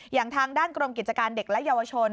อย่างทางด้านกรมกิจการเด็กและเยาวชน